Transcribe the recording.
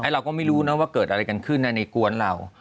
เราก็ไม่รู้นะว่าเกิดอะไรกันขึ้นในกวนเรา